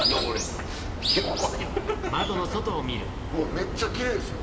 めっちゃキレイですよ！